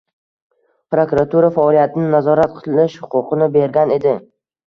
Prokuratura faoliyatini nazorat qilish huquqini bergan edi